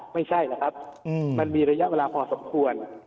ไม่ใช่นะครับมันมีระยะเวลาพอสมควร